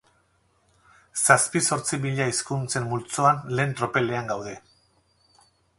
Zazpi-zortzi mila hizkuntzen multzoan lehen tropelean gaude.